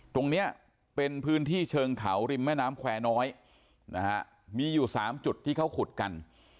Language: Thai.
ตรงนี้เป็นพื้นที่เชิงเขาริมแม่น้ำแควร์น้อยนะฮะมีอยู่๓จุดที่เขาขุดกัน